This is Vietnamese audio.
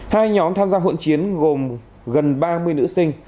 hai nhóm tham gia hỗn chiến gồm gần ba mươi nữ sinh